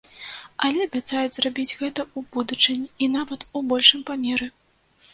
Але абяцаюць зрабіць гэта ў будучыні і нават у большым памеры.